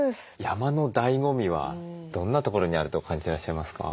山のだいご味はどんなところにあると感じてらっしゃいますか？